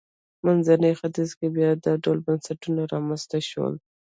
منځني ختیځ کې بیا دا ډول بنسټونه رامنځته شول.